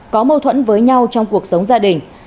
có mâu thuẫn với nhau trong cuộc sống gia đình